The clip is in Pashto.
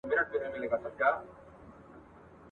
تشه له سرو میو شنه پیاله به وي ..